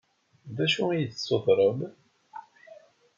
D acu i yi-d-tessutreḍ?